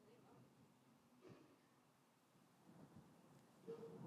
مختلفو ناروغیو د سرایت څخه مخنیوی وشي.